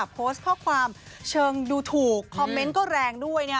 โพสต์ข้อความเชิงดูถูกคอมเมนต์ก็แรงด้วย